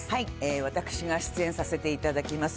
私が出演させていただきます